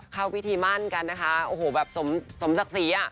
เข้าพิธีมั่นกันนะคะโอ้โหแบบสมศักดิ์ศรีอ่ะ